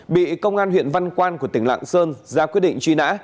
bị công an tp hcm tỉnh lạng sơn ra quyết định truy nã